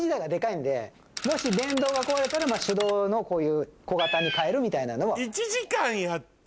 もし電動が壊れたら手動のこういう小型に換えるみたいなのは。